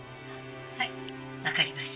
☎はい分かりました